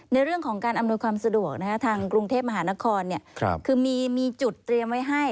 ในเรื่องของการอำนวยความสะดวกทางกรุงเทพมหานครคือมีจุดเตรียมไว้ให้